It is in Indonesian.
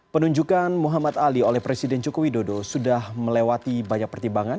penunjukan muhammad ali oleh presiden joko widodo sudah melewati banyak pertimbangan